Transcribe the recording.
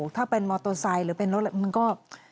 ถ้าเป็นมอเตอร์ไซค์หรือเป็นรถมันก็